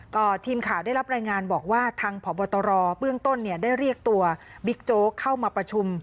ก็ทีมข่าวได้รับรายงานบอกว่าทางพบตรเบื้องต้นเนี่ยได้เรียกตัวบิ๊กโจ๊กเข้ามาประชุม